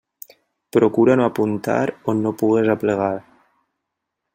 Procura no apuntar on no pugues aplegar.